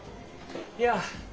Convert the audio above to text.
いや。